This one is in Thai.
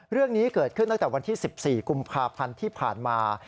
เรื่องนี้เกิดขึ้นตั้งแต่วันที่๑๔กุมภาพันธ์ที่ผ่านมา